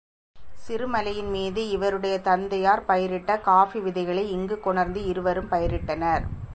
சிறுமலையின்மீது இவருடைய தந்தையார் பயிரிட்ட காஃபி விதைகளை இங்குக் கொணர்ந்து இவரும் பயிரிட்டார்.